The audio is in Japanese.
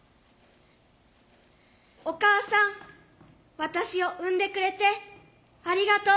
お母さん私を生んでくれてありがとう。